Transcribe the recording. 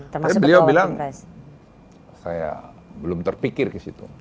tapi beliau bilang saya belum terpikir ke situ